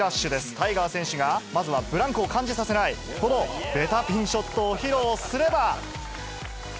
タイガー選手がまずはブランクを感じさせない、このベタピンショットを披露すれば。